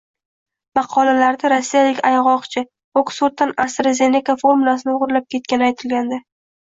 Maqolalarda rossiyalik ayg‘oqchi Oksforddan AstraZeneca formulasini o‘g‘irlab ketgani aytilgandi